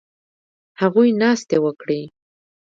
هغوی ناستې وکړې